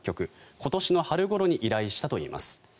今年の春ごろに依頼したといいます。